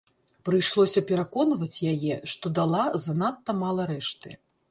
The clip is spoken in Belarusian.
Прыйшлося пераконваць яе, што дала занадта мала рэшты.